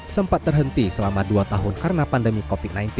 sempat terhenti selama dua tahun karena pandemi covid sembilan belas